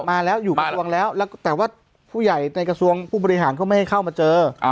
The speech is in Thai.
มาแล้วอยู่กระทรวงแล้วแล้วแต่ว่าผู้ใหญ่ในกระทรวงผู้บริหารก็ไม่ให้เข้ามาเจอ